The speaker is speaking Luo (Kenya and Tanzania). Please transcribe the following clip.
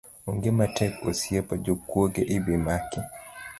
Onge matek osiepa, jokuoge ibimaki